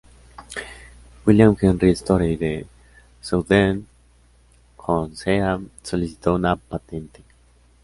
William Henry Storey de Southend-on-Sea solicitó una patente.